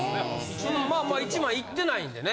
まあまあ１万いってないんでね。